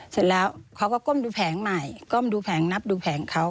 เสร็จแล้วเขาก็ก้มดูแผงใหม่ก้มดูแผงนับดูแผงเขา